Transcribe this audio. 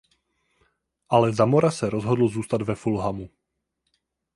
Ale Zamora se rozhodl zůstat ve Fulhamu.